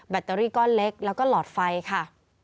ตเตอรี่ก้อนเล็กแล้วก็หลอดไฟค่ะ